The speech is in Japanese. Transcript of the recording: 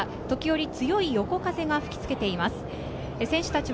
時折、強い横風が吹きつけています。